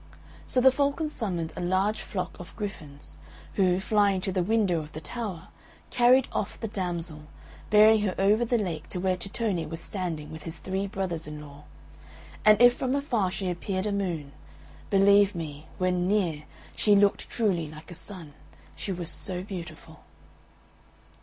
So the Falcon summoned a large flock of griffins, who, flying to the window of the tower, carried off the damsel, bearing her over the lake to where Tittone was standing with his three brothers in law; and if from afar she appeared a moon, believe me, when near she looked truly like a sun, she was so beautiful.